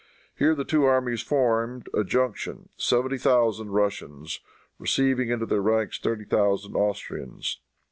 Here the two armies formed a junction seventy thousand Russians receiving into their ranks thirty thousand Austrians.